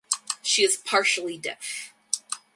She is partially deaf.